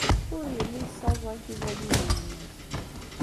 Ur yelli yessaẓay tibalizin-nnes.